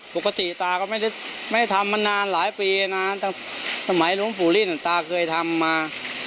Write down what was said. ปกติตาก็ไม่ได้ทำมานานหลายปีนานสมัยหลวงปู่ลิ่นตาเคยทำมา